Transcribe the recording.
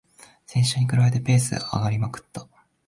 先週に比べてペース上がりまくった